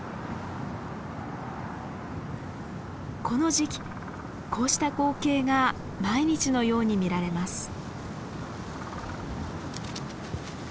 この時期こうした光景が毎日のように見られます。